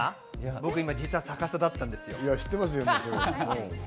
僕、今、実は逆さだったんですよ。